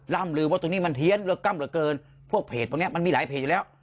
ล่ามลืมว่าตรงนี้มันเฮียนหรือกล้ำหรือเกินพวกเพจตรงนี้มันมีหลายเพจอยู่แล้ว